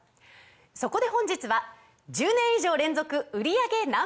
そこで本日は１０年以上連続売り上げＮｏ．１